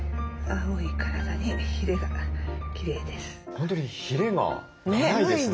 本当にヒレが長いですね。